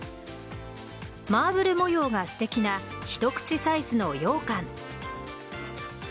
マーブル模様がすてきな一口サイズのようかん。